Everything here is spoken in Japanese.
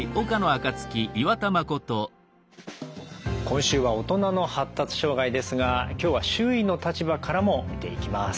今週は「大人の発達障害」ですが今日は周囲の立場からも見ていきます。